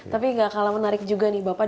tapi gak kalah menarik juga nih bapak